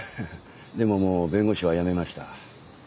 でももう弁護士は辞めました。